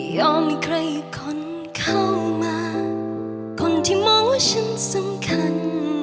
ใครคนเข้ามาคนที่มองว่าฉันสำคัญ